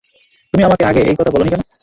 তুমি আমাকে আগে এই কথা বলনি কেন?